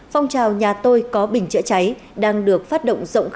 phong trào nhà tôi có bình chữa cháy đang được phát động